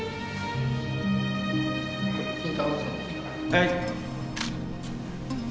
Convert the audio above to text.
・はい。